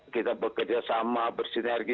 kita bekerja sama bersinergi